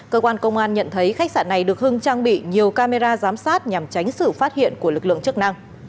cơ quan công an nhận thấy khách sạn này được hưng trang bị nhiều camera giám sát nhằm tránh sự phát hiện của lực lượng chức năng